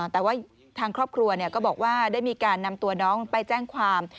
แต่ว่าทางครอบครัวก็บอกว่าได้มีการนำตัวน้องไปแจ้งความ